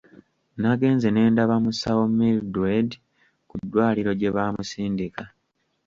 Nagenze ne ndaba musawo Mildred ku ddwaliro gye baamusindika.